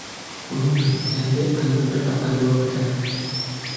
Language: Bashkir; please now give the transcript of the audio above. Ғөмүмән, иҙәнде айына бер тапҡыр йыуырға кәрәк.